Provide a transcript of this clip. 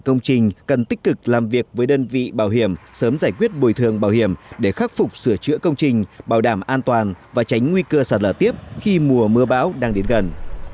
công trình cần tích cực làm việc với đơn vị bảo hiểm sớm giải quyết bồi thường bảo hiểm để khắc phục sửa chữa công trình bảo đảm an toàn và tránh nguy cơ sạt lở tiếp khi mùa mưa bão đang đến gần